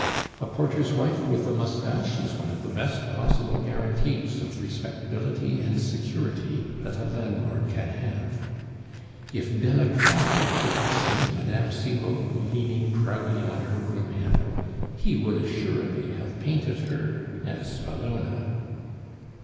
A porter's wife with a moustache is one of the best possible guarantees of respectability and security that a landlord can have. If Delacroix could have seen Mme. Cibot leaning proudly on her broom handle, he would assuredly have painted her as Bellona.